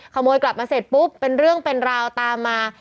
ขโมยกลับมาเสร็จปุ๊บเป็นเรื่องเป็นราวตามมา